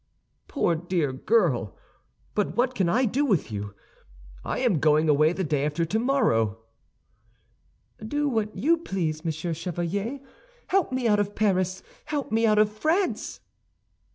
"Poor dear girl! But what can I do with you? I am going away the day after tomorrow." "Do what you please, Monsieur Chevalier. Help me out of Paris; help me out of France!"